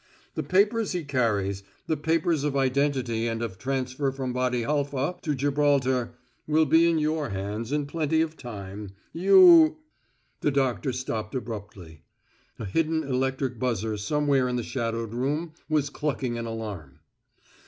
The papers he carries the papers of identity and of transfer from Wady Halfa to Gibraltar will be in your hands in plenty of time. You " The doctor stopped abruptly. A hidden electric buzzer somewhere in the shadowed room was clucking an alarm.